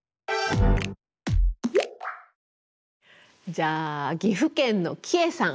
じゃあ岐阜県のちえさん